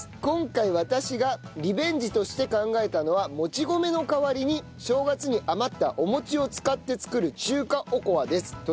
今回私がリベンジとして考えたのはもち米の代わりに正月に余ったお餅を使って作る中華おこわです。